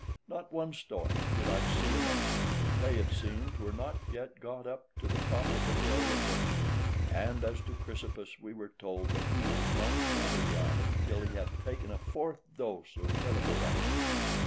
Not one Stoic did I see amongst them; they, it seems, were not yet got up to the top of the high hill {124a} of virtue; and as to Chrysippus, we were told that he was not to enter the island till he had taken a fourth dose of hellebore.